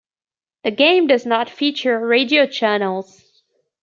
The game does not feature radio channels.